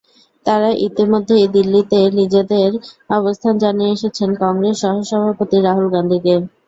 তাঁরা ইতিমধ্যেই দিল্লিতে নিজেদের অবস্থান জানিয়ে এসেছেন কংগ্রেস সহসভাপতি রাহুল গান্ধীকে।